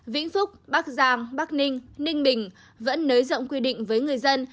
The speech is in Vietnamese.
vĩnh phúc bắc giang bắc ninh ninh bình vẫn nới rộng quy định với người dân